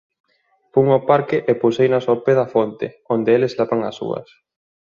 Fun ao parque e pouseinas ao pé da fonte, onde eles lavan as súas.